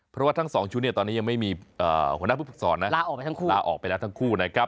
เพราะว่าทั้งสองชุดตอนนี้ยังไม่มีหัวหน้าผู้ฝึกสอนลาออกไปแล้วทั้งคู่